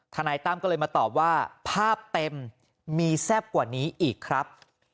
นายตั้มก็เลยมาตอบว่าภาพเต็มมีแซ่บกว่านี้อีกครับ